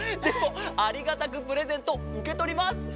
でもありがたくプレゼントうけとります。